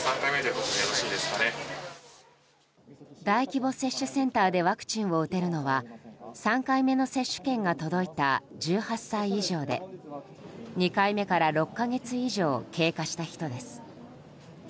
大規模接種センターでワクチンを打てるのは３回目の接種券が届いた１８歳以上で２回目から６か月以上経過した人です。